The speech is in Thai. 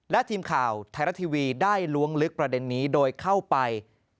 และทีมข่าวไทยรัฐทีวีได้ล้วงลึกประเด็นนี้โดยเข้าไป